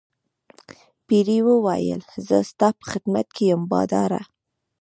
پیري وویل زه ستا په خدمت کې یم باداره.